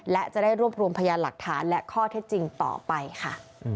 และจะได้รวบรวมพยานหลักฐานและข้อเท็จจริงต่อไปค่ะ